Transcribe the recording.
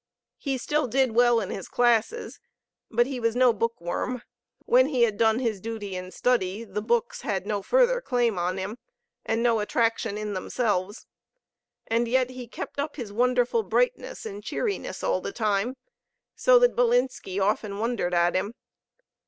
He still did well in his classes, but he was no book worm. When he had done his duty in study, the books had no further claim upon him, and no attraction in themselves. And yet he kept up his wonderful brightness and cheeriness all the time; so that Bilinski often wondered at him.